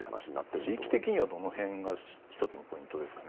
地域的にはどの辺が１つのポイントですかね？